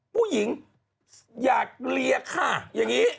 ผู้หญิงอยากเลียค่ะอย่างนี้